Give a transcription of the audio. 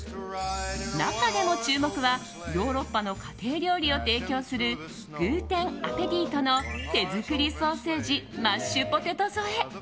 中でも注目はヨーロッパの家庭料理を提供するグーテンアペディートの手作りソーセージマッシュポテト添え。